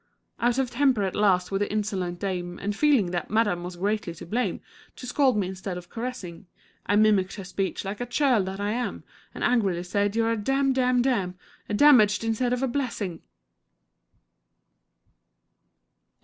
Out of temper at last with the insolent dame, And feeling that madam was greatly to blame To scold me instead of caressing, I mimicked her speech like a churl that I am And angrily said, "You're a dam dam dam A dam age instead of a blessing!"